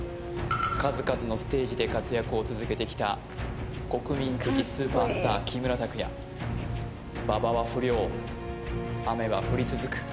数々のステージで活躍を続けてきた国民的スーパースター・木村拓哉馬場は不良雨は降り続く